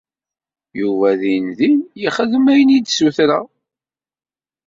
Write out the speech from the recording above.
Yuba dindin yexdem ayen i d-ssutreɣ.